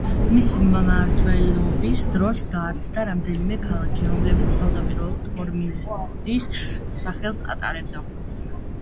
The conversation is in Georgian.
მისი მმართველობის დროს დაარსდა რამდენიმე ქალაქი, რომლებიც თავდაპირველად ჰორმიზდის სახელს ატარებდა.